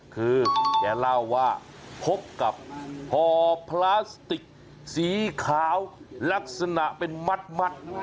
คือแกเล่าว่าพบกับห่อพลาสติกสีขาวลักษณะเป็นมัด